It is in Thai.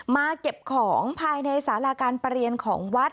เก็บของภายในสาราการประเรียนของวัด